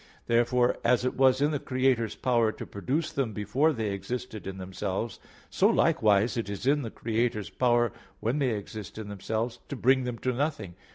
Therefore as it was in the Creator's power to produce them before they existed in themselves, so likewise it is in the Creator's power when they exist in themselves to bring them to nothing.